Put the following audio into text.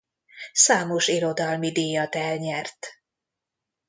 Számos irodalmi díjat elnyert.